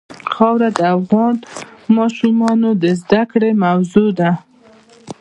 خاوره د افغان ماشومانو د زده کړې موضوع ده.